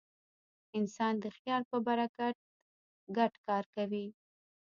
انسان د خیال په برکت ګډ کار کوي.